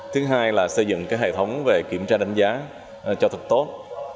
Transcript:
thứ hai là xây dựng hệ thống về kiểm tra đánh giá cho thật tốt